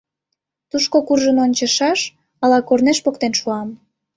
Тушко куржын ончышаш, ала корнеш поктен шуам...